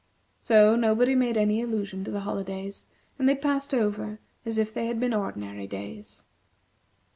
So nobody made any allusion to the holidays, and they passed over as if they had been ordinary days.